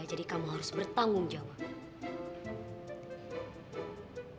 jadi kamu harus bertanggung jawab